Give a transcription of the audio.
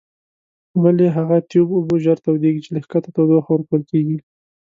ولې هغه تیوب اوبه ژر تودیږي چې له ښکته تودوخه ورکول کیږي؟